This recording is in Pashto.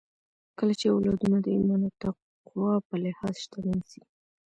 کله چې اولادونه د ايمان او تقوی په لحاظ شتمن سي